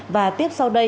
và tiếp sau đây